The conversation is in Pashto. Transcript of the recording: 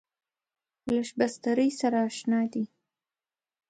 له شبستري سره اشنا دی.